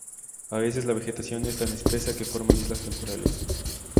A veces, la vegetación es tan espesa que forma islas temporales.